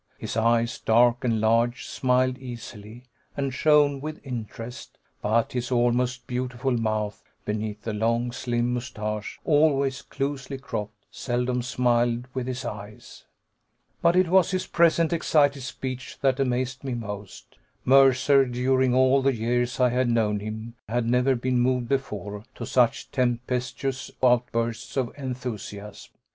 His eyes, dark and large, smiled easily, and shone with interest, but his almost beautiful mouth, beneath the long slim mustache, always closely cropped, seldom smiled with his eyes. But it was his present excited speech that amazed me most. Mercer, during all the years I had known him, had never been moved before to such tempestuous outbursts of enthusiasm.